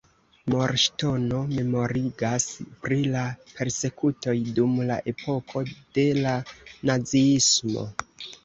Memorŝtono memorigas pri la persekutoj dum la epoko de la naziismo.